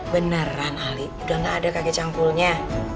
beneran ali udah gak ada kakek cangkulnya